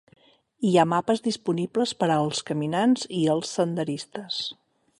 Hi ha mapes disponibles per als caminants i els senderistes.